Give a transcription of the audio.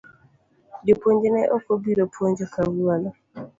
Japuonj ne ok obiro puonjo kawuono